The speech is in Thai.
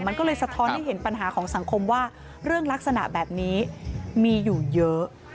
มันก็เลยสะท้อนให้เห็นปัญหาของสังคมว่าเรื่องลักษณะแบบนี้มีอยู่เยอะ